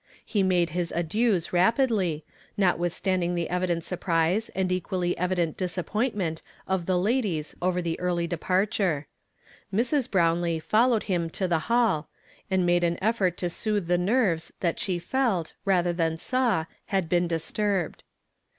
lie made liis adieus rapidly, notwitlistandiui,^ the evi dent surjirisc! and e(|uitlly (jvidiiit disappointment of the ladies over the {,'arly dei)aitui('. Mrs. lirownlee followed him to the hall, and made an effort to soothe the nerves that shi; i'ldt, rather than saw, had heen disturbed.